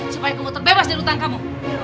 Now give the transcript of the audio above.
supaya kamu terbebas dari utang kamu